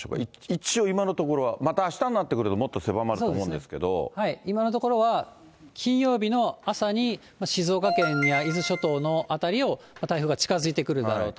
一応、今のところは、またあしたになってくるともっと狭まると思そうですね、今のところは金曜日の朝に静岡県や伊豆諸島の辺りを台風が近づいてくるだろうと。